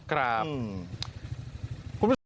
ครับ